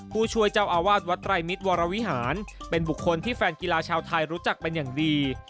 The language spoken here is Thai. ผู้ช่วยเจ้าอาวาสวัดไรมิตรวรวิหารเป็นบุคคลที่แฟนกีฬาชาวไทยรู้จักเป็นอย่างดี